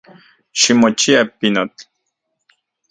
Ximochia, pinotl.